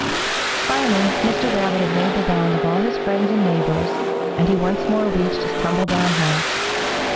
"Finally Mr. Rabbit had made the round of all his friends and neighbors, and he once more reached his tumble down house.